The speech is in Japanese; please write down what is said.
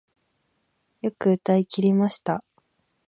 よく歌い切りました